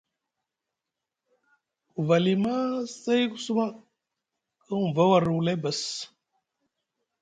Ku vali maa, say ku suma, ku huŋva warɗi wulay bas,